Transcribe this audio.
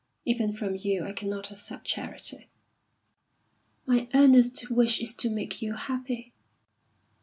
Even from you I cannot accept charity." "My earnest wish is to make you happy."